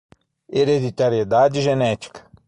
hereditariedade genética